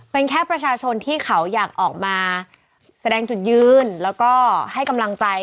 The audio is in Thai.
เป็นแค่ประชาชนที่เขาอยากออกมาแสดงจุดยืนแล้วก็ให้กำลังใจ